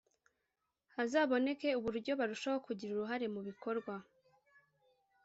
hazaboneke uburyo barushaho kugira uruhare mubikorwa